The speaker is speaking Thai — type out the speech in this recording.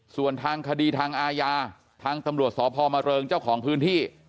ส่วนทางคดีทางอาญาทางตำรวจสพมเริงเจ้าของพื้นที่